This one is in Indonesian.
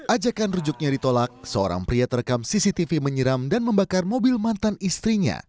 ajakan rujuknya ditolak seorang pria terekam cctv menyiram dan membakar mobil mantan istrinya